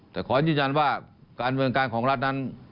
แต่ขอยืนยันว่าการเมืองการของรัฐนั้น